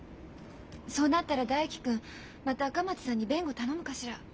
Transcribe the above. そうなったら大樹君また赤松さんに弁護頼むかしら？